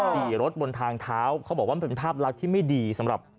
ขี่รถบนทางเท้าเขาบอกว่ามันเป็นภาพลักษณ์ที่ไม่ดีสำหรับ